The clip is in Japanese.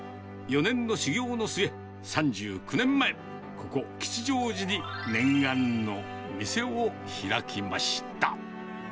４年の修業の末、３９年前、ここ、吉祥寺に念願の店を開きました。